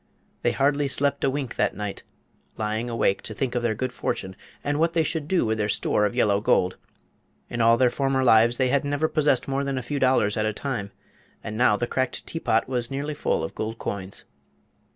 They hardly slept a wink that night, lying awake to think of their good fortune and what they should do with their store of yellow gold. In all their former lives they had never possessed more than a few dollars at a time, and now the cracked teapot was nearly full of gold coins.